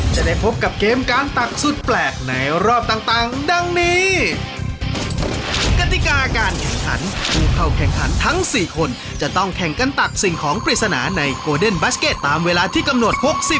จะได้พบกับเกมการตักสุดแปลกในรอบต่างดังนี้